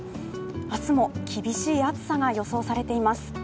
明日も厳しい暑さが予想されています。